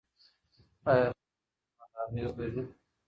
ایا سوله په ژوند اغېز لري؟